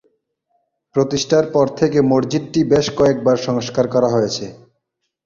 প্রতিষ্ঠার পর থেকে মসজিদটি বেশ কয়েকবার সংস্কার করা হয়েছে।